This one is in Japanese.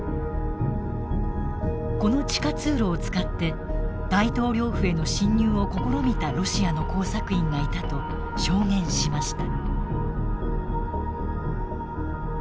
この地下通路を使って大統領府への侵入を試みたロシアの工作員がいたと証言しました。